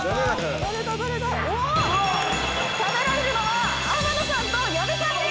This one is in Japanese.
食べられるのは天野さんと矢部さんです！